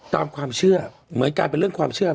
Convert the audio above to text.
ตามความเชื่อเหมือนกันเป็นเรื่องความเชื่อ